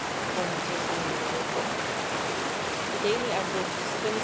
according to its annual report. The daily average was 26,310,000.